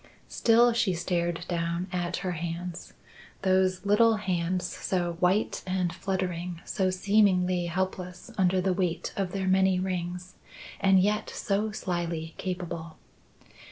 Still she stared down at her hands those little hands so white and fluttering, so seemingly helpless under the weight of their many rings, and yet so slyly capable.